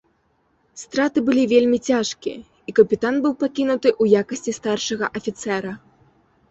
Страты былі вельмі цяжкія, і капітан быў пакінуты ў якасці старшага афіцэра.